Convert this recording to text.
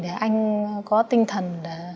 để anh có tinh thần